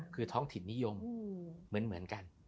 คือท้องถิ่นนิยมเหมือนกัน